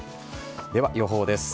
では、予報です。